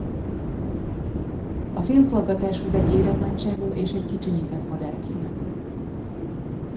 A filmforgatáshoz egy életnagyságú és egy kicsinyített modell készült.